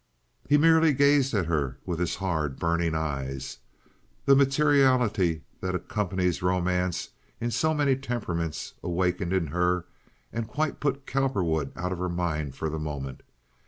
He merely gazed at her with his hard, burning eyes. The materiality that accompanies romance in so many temperaments awakened in her, and quite put Cowperwood out of her mind for the moment.